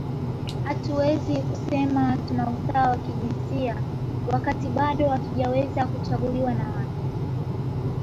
Hatuwezi kusema tuna usawa wa kijinsia wakati bado hatujaweza kuchaguliwa na watu